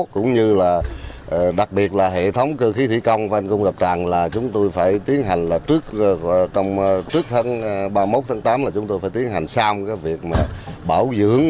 cũng như là đặc biệt là hệ thống cơ khí thủy công và anh cung đập tràn là chúng tôi phải tiến hành là trước thân ba mươi một thân tám là chúng tôi phải tiến hành sau cái việc bảo dưỡng